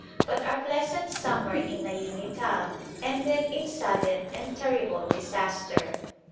But our pleasant summer in Naini Tal ended in sudden and terrible disaster.